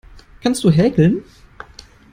Kannst du häkeln?